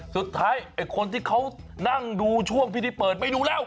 สุดท้ายคนที่เขานั่งดูช่วงวิธีเปิดไปดูแล้ว